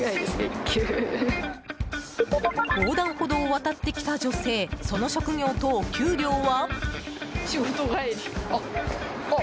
横断歩道を渡ってきた女性その職業とお給料は？